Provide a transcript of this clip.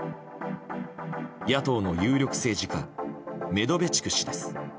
野党の有力政治家メドベチュク氏です。